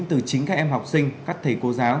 từ chính các em học sinh các thầy cô giáo